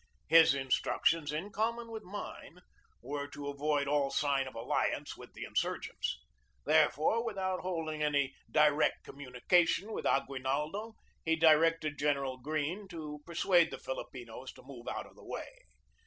His instructions, in com mon with mine, were to avoid all sign of alliance with the insurgents. Therefore, without holding any di rect communication with Aguinaldo, he directed Gen eral Greene to persuade the Filipinos to move out of the way.